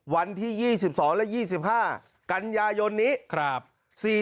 วันที่๒๒และ๒๕กันยายนนี้